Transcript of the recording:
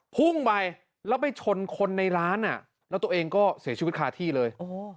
พุ่งไปแล้วไปชนคนในร้านแล้วตัวเองก็เสียชีวิตคาที่เลย